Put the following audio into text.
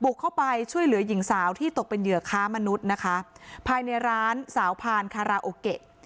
เข้าไปช่วยเหลือหญิงสาวที่ตกเป็นเหยื่อค้ามนุษย์นะคะภายในร้านสาวพานคาราโอเกะ